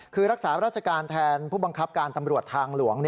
คือรักษาราชการแทนผู้บังคับการตำรวจทางหลวง